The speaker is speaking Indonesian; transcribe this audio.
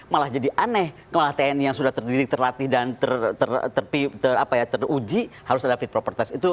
malah jadi aneh malah tni yang sudah terdidik terlatih dan teruji harus ada fit proper test